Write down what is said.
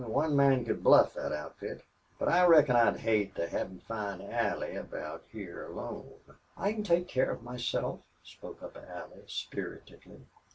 One man could bluff thet outfit.... But I reckon I'd hate to have them find Allie aboot heah alone." "I can take care of myself," spoke up Allie, spiritedly.